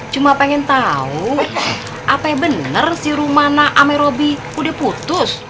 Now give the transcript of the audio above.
cuma pengen tau apa yang bener si rumana sama robi udah putus